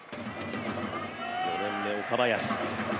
４年目、岡林。